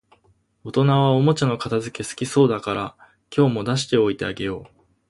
大人はおもちゃの片づけ好きそうだから、今日も出しておいてあげよう